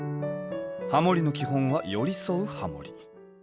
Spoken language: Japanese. ハモりの基本は寄り添うハモり